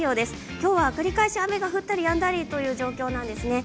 今日は繰り返し雨が降ったりやんだりという状況なんですね。